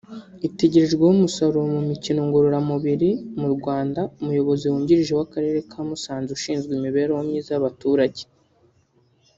Itegerejwe ho umusaruro mu mikino ngororamubiri mu RwandaUmuyobozi wungirije w’Akarere ka Musanze ushinzwe imibereho myiza y’abaturage